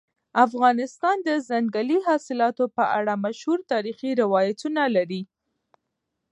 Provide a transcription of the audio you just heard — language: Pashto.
افغانستان د ځنګلي حاصلاتو په اړه مشهور تاریخي روایتونه لري.